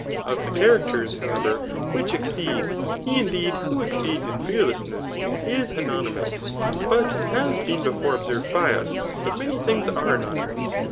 Of the characters, however, which exceed, he indeed who exceeds in fearlessness, is ano nymous ; but it has been before observed by us, diat »any things are anonymous.